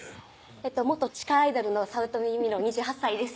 元地下アイドルの早乙女ゆみの２８歳です